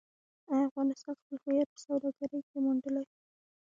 آیا افغانستان خپل هویت په سوداګرۍ کې موندلی؟